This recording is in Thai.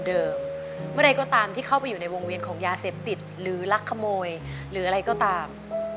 เมื่อใดก็ตามที่เข้าไปอยู่ในวงเวียนของยาเสพติดหรือลักขโมยหรืออะไรก็ตาม